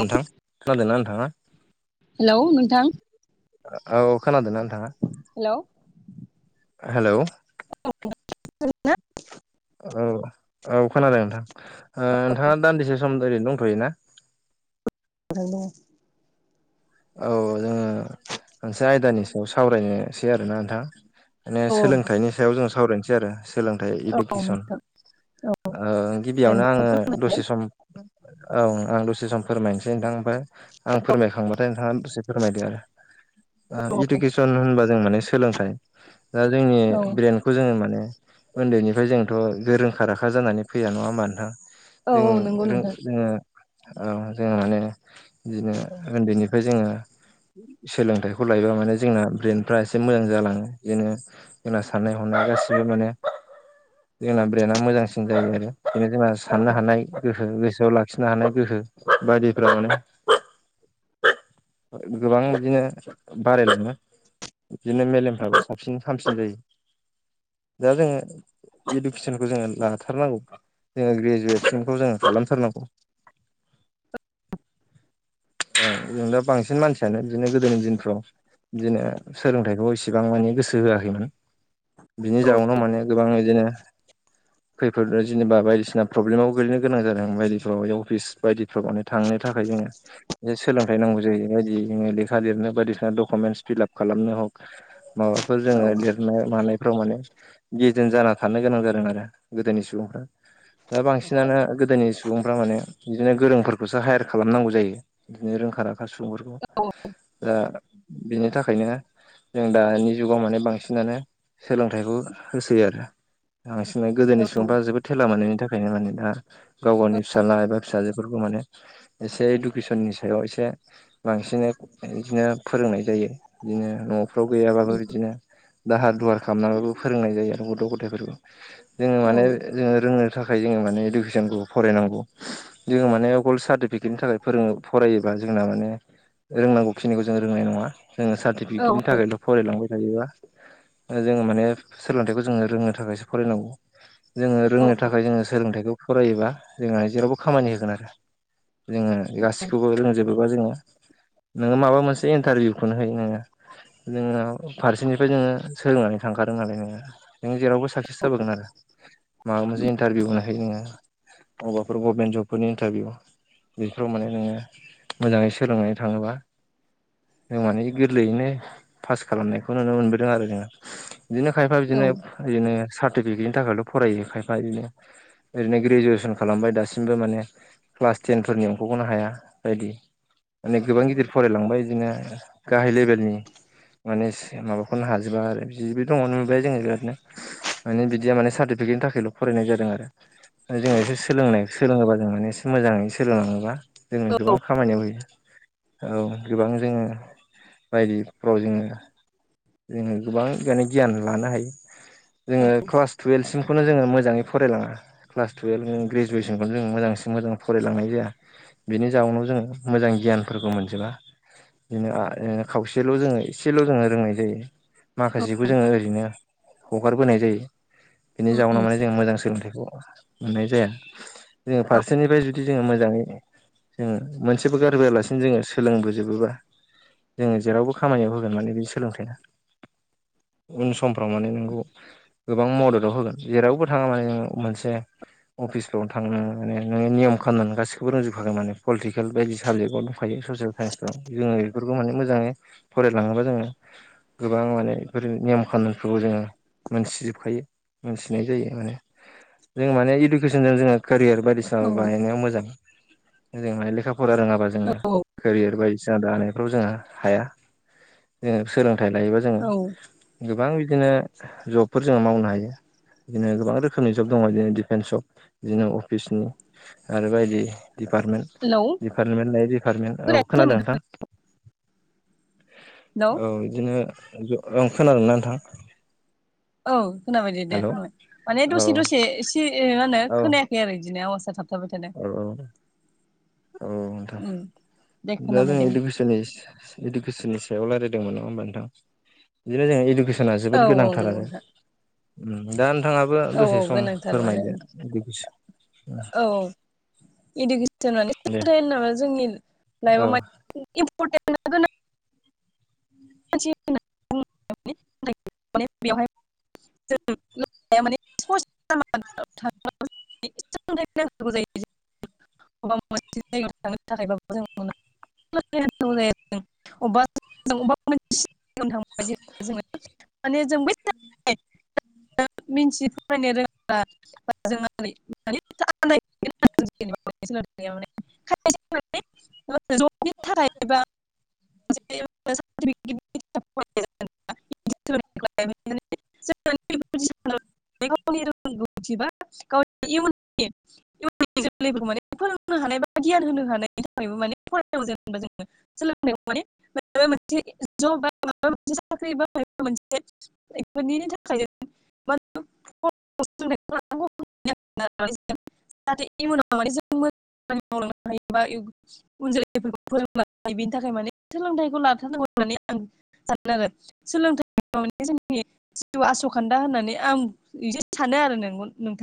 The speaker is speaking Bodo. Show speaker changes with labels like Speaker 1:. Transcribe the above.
Speaker 1: नोंथां खोनादोंना नोंथाङा
Speaker 2: हेलौ नोंथां
Speaker 1: औ खोनादोना नोंथाङा
Speaker 2: हेलौ
Speaker 1: हेलौ
Speaker 2: [unintelligible]
Speaker 1: औ औ खोनादों नोंथां ओ नोंथाङा दान्दिसे सम ओरैनो दंथयो ना
Speaker 2: [unintelligible]
Speaker 1: औ जोंङो मोनसे आयदानि सायाव सावरायनोसै आरोना नोंथां माने
Speaker 2: औ
Speaker 1: सोलोंथाइनि सायाव जों सावरायनोसै आरो। सोलोंथाइ
Speaker 2: औ
Speaker 1: इडुकेसन
Speaker 2: नोंथां औ
Speaker 1: ओ गिबियावनो आंङो दसे सम औ आं दसे सम फोरमायनोसै नोंथां ओमफ्राय आं फोरमायखांबा नोंथाङा दसे फोरमायदो आरो
Speaker 2: औ
Speaker 1: इदुकेसन होनबा जों माने सोलोंथाइ दा जोंनि
Speaker 2: औ
Speaker 1: ब्रेन्डखौ जोंङो जों माने उन्दैनिफ्राय जोंथ' गोरोंखा राखा जानानै फैया नङा होमबा नोंथां
Speaker 2: औ
Speaker 1: जों
Speaker 2: नंगौ
Speaker 1: रों
Speaker 2: नोंथां
Speaker 1: जोंङो ओ जोंङो माने बिदिनो उन्दैनि फ्राय जोंङो सोलोंथाइखौ लायोबा माने जोंना ब्रेेनफ्रा एसे मोजां जालाङो बिदिनो जोंना साननाय हनाय गासिबो माने जोंना ब्रेन्डआ मोजांसिन जायो आरो। बिदिनो जोंना
Speaker 2: औ
Speaker 1: साननो हानाय गोहो गो सोआव लाखिनो हानाय गोहो बायदिफ्रा माने गोबां बिदिनो बारायलाङो बिदिनो मेलेमफ्राबो साबसिन हामसिन सिन जायो दा जोङो इडुकेसनखौ जोङो लाथारनांगौ जोङो ग्रेजुवेसनखौ जोङो खालामथारनांगौ [inaudible] औ जों दा बांसिन मानसियानो बिदिनो गोदोनि दिनफ्राव बिदिनो सोलोंथाइखौ इसिबां माने गोसो होआखैमोन बिनि
Speaker 2: औ
Speaker 1: जाउनाव माने गोबां बिदिनो खैफोद जेनेबा बायदिसिना प्रब्लेमाव गोग्लैनो गोनां जादों बायदिफ्राव अफिस बायदिफ्राव माने थांनो थाखाय सोलोंथाइ नांगौ जायो बेबायदि जोङो थादेरनो बायदिसिना डकुमेन्टस फिलाप खालामनो हक माबाफोर
Speaker 2: औ औ
Speaker 1: जोङो लिरनाय मानायफ्राव माने गेजेन जाना थानो गोनां जादों आरो गोदोनि सुबुंफ्रा दा बांसिनानो गोदोनि सुबुं फ्रा माने बिदिनो गोरोंफोरखौसो हायार खालामनांगौ जायो बिदिनो रोंखा रा खा सुबुंफोरखौ
Speaker 2: औ
Speaker 1: ओ बेनि थाखायनो जों दानि जुगाव माने बांसिनानो सोलोंथाइखौ होसोयो आरो बांसिना गोदोनि
Speaker 2: औ
Speaker 1: सुबुंफ्रा जोबोद थेला मोननायनि थाखाय बेनो माने दा गाव गावनि फिसाला एबा फिसाजोफोरखौ माने एसे दुखु इदुकेसननि सायाव एसे बांसिनै बिदिनो फोरोंनाय जायो बिदिनो न' फ्राव गैयाबाबो बिदिनो दाहार दुवार खालामनानैबाबो फोरोंनाय जायो आरो गथ' गथायफोरखौ जोङो माने जोङो रोङो थाखाय जोङो माने इडुकेसनखौ फरायनांगौ जोङो माने गल्ड सार्टिफिकेटनि थाखाय फोरोङो फरायोबा जोंना माने रोंनांगौखिनिखौ जों रोंनाय नङा जोङो
Speaker 2: औ
Speaker 1: सारतिफिकेटनि थाखायल' फरायलांबाय थायोबा जोङो माने सोलोंथाइखौ जोङो रोंनो थाखायसो फरायनांगौ जोङो
Speaker 2: औ
Speaker 1: रोंनो थाखाय जोङो सोलोंथाइखौ फरायोबा जोंहा जेरावबो खामानि होगोन आरो जोङो गासिखौबो रोंजोबोबा जोङो नोङो माबा मोनसे इन्टारभिउखौनो है नोङो जोङो फारसेनिफ्राय जोङो सोलोंनानै थांखादों नालाय नोङो नों जेरावबो साक्सेस जाबोगोन आरो माबा मोनसे इन्टारभिउ होना है नोङो अबाफोर गभर्नमेन्ट जबफोरनि इन्टारभिउ माने नोङो मोजाङै सोलोंनानै थाङोबा जों माने गोरलैयैनो पास खालामनायखौ नुनो मोनबोदों आरो जोङो बिदिनो खायफा बिदिनो
Speaker 2: हेलौ
Speaker 1: बेनो सार्टिफिकेटनि थाखायल' फरायो खायफा इदिनो ओरैनो ग्रेजुवेसन खालामबाय दासिमबो माने क्लास टेनफोरनियाव बग'नो हाया बायदि माने गोबां गिदिर फरायलांबाय बिदिनो गाहाय लेभेल नि माने माबाखौनो हाजोबा आरो बि दङ नुबाय जोङो बिरादनो माने बिदिया माने सार्टिफिकेटनि थाखायल' फराय नाय जादों आरो जोङो एसे सोलोंनाय सोलोङोबा जों माने एसे मोजाङै सोलोलाङोबा जों गोबां खामानियाव होयो औ गोबां जोङो बायदिफ्राव जोङो जोङो गोबां माने गियान लानो हायो जोङो क्लास टुवेल्भसिमखौनो मोजाङै फरायलाङा क्लास टुवेल्भ ग्रेजुवेसनखौ जों मोजांसिनो मोजां फरायलांनाय जाया बिनि जाउोनाव जोङो मोजां गियानफोरखौ मोनजोबा बिदिनो खावसेल' जोङो एसेल' जोङो रोंनाय जायो माखासेखौ जोङो ओरैनो हगारबोनाय जायो बिनि जाउनाव माने जों मोजां सोलोंथाइखौ मोननाय जाया जोङो फारसेनिफ्राय जुदि जोङो मोजाङै जोङो मोनसेबो गारबोआलासिनो जोङो सोलोंबोजोबोबा जोङो जेरावबो खामानियाव होगोन माने बे सोलोंथाइया उन समफ्राव माने नोंखौ गोबां मददाव होगोन जेरावबो थाङा माने नों मोनसे अफिसफोराव थांनो माने नोङो नियम खालामनानै गासिखौबो रोंजोब फागोन माने पलिटिकेल बायदि साबजेक्टआव दंखायो ससियेल साइन्सफ्राव जोङो बेफोरखौ माने मोजाङै फरायलाङो बा जोङो गोबां माने बेफोर नेयम खानुनखौ जोङो मोनथिजोबखायो मोनथिनाय जायो माने जों माने इडुकेसनजों जोङो केरियार बायदिसिना बाहानायनायाव मोजां। ओजोंहाय लेखा फरा रोङाबा जोङो केरियार बायदि सिना दानायफ्राव जोंहा हाया जोङो सोलोंथाइ लायोबा जोङो गोबां बि दिनो जबफोर जोङो मावनो हायो। बिदिनो गोबां रोखोमनि जब दङ बिदिनो डिफेन्स जब बिदिनो अफिसनि आरो बायदि दिपार्टमेन्ट दिपार्टमेन्ट लायै डिपार्टमेन्ट औ।
Speaker 2: खोनायासै आं
Speaker 1: खोनादों नोंथां?
Speaker 2: हेलौ
Speaker 1: औ बिदिनो ओं खोनादोंना नोंथां?
Speaker 2: औ खोनाबाय दे दे
Speaker 1: हेलौ
Speaker 2: खोनाबाय माने
Speaker 1: औ
Speaker 2: दसे दसे एसे मा होनो
Speaker 1: औ
Speaker 2: खोनायाखै आरो बिदिनो आवाज।
Speaker 1: औ औ। औ नोंथां
Speaker 2: थादों दे
Speaker 1: दा
Speaker 2: खोनाबाय
Speaker 1: जों
Speaker 2: दे
Speaker 1: इडुकेसननि इडुकेसननि सायाव रायलायदोंमोन नङा होमबा नोंथां बिदिनो जों इडुकेसना जोबोद
Speaker 2: औ औ
Speaker 1: गोनांथार
Speaker 2: नंगौ
Speaker 1: आरो।
Speaker 2: नोंथां
Speaker 1: उम दा नोंथाङाबो
Speaker 2: औ
Speaker 1: दसे
Speaker 2: औ
Speaker 1: सम
Speaker 2: गोनांथार मानो
Speaker 1: फोरमायदो [unintelligible]
Speaker 2: औ औ इडुकेसन माने सो
Speaker 1: दे
Speaker 2: [unintelligible] होनामा जोंनि
Speaker 1: औ।
Speaker 2: लाइफआव माने [unintelligible] [unintelligible] बेवहाय जों [unintelligible] सोलोंथाइखौ नांथारगौ जायो जोंनो बबेबा मोनसे जायगायाव थांनो थाखायबाबो जों [unintelligible] [unintelligible] [unintelligible] [unintelligible] [unintelligible] [unintelligible] [unintelligible] गावनि रोंगौथि बा गावनि इयुननि इयुननि जोलैफोरखौ माने फोरों नो हानाय बा गियान होनो हानायनि थाखायबो माने फरायनांगौ जेनबा जोङो सोलोंथाइआव माने माबा मोनसे जब बा माबा मोनसे साख्रि बा माबा मोनसे बेफोरनिनि थाखायनो [unintelligible] [unintelligible] जाहाथे इयुनाव माने जों मोजां मावलांनो हायोबा उन जोलैफोरखौ फोरोंनो हायो बेनि थाखाय माने सोलोंथाइखौ लाथारनांगौ होननानै आं सानो आरो सोलोंथाइ गैयाब्ला माने जोंनि जिउआ आस'खान्दा होननानै आं बिदि सानो आरो नोंगौ नोंथां।